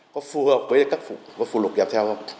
có phù hợp với các phụ lục nhập theo không